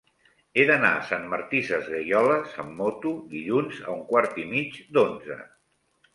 He d'anar a Sant Martí Sesgueioles amb moto dilluns a un quart i mig d'onze.